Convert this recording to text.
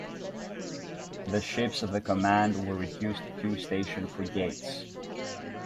The ships of the command were reduced to two Station Frigates.